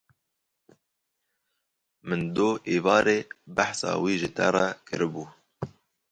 Min doh êvarî behsa wî ji te re kiribû.